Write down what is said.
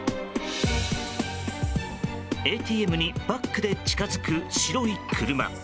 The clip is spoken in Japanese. ＡＴＭにバックで近づく白い車。